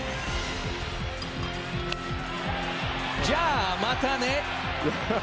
じゃあまたね。